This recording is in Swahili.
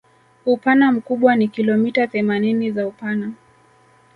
Upana mkubwa ni kilometa themanini za upana